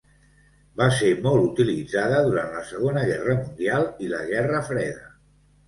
Va ser molt utilitzada durant la Segona Guerra Mundial i la Guerra Freda.